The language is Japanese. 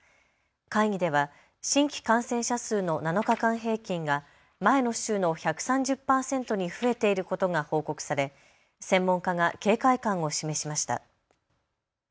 会議では新規感染者数の７日間平均が前の週の１３０％に増えていることが報告され専門家が警戒感を示しました。